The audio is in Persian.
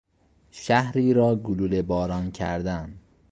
شهری را گلوله باران کردن